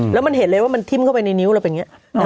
แล้วมันเห็นเลยว่ามันทิ้มเข้าไปในนิ้วเราเป็นอย่างนี้